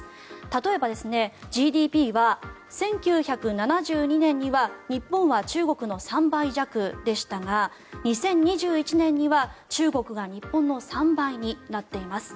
例えば、ＧＤＰは１９７２年には日本は中国の３倍弱でしたが２０２１年には中国が日本の３倍になっています。